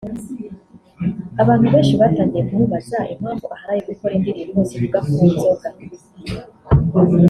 abantu benshi batangiye kumubaza impamvu aharaye gukora indirimbo zivuga ku nzoga